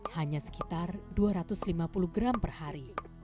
hanya sekitar dua ratus lima puluh gram per hari